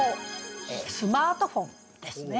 スマートフォンですね。